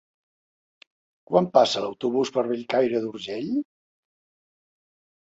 Quan passa l'autobús per Bellcaire d'Urgell?